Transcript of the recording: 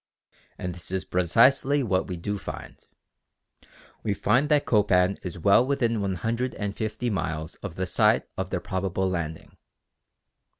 And this is precisely what we do find. We find that Copan is well within 150 miles of the site of their probable landing.